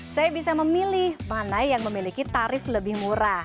saya bisa memilih mana yang memiliki tarif lebih murah